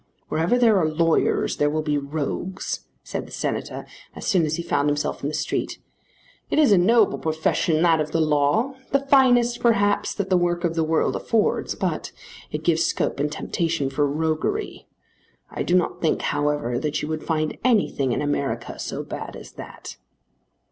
"Wherever there are lawyers there will be rogues," said the Senator, as soon as he found himself in the street. "It is a noble profession, that of the law; the finest perhaps that the work of the world affords; but it gives scope and temptation for roguery. I do not think, however, that you would find anything in America so bad as that."